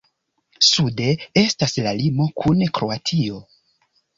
Sude estas la limo kun Kroatio.